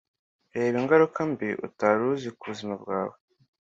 Reba ingaruka mbi utari uzi ku buzima bwawe